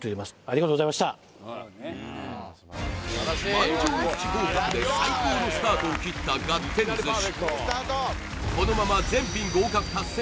満場一致合格で最高のスタートを切ったがってん寿司